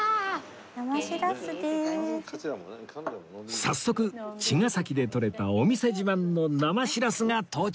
早速茅ヶ崎でとれたお店自慢の生しらすが到着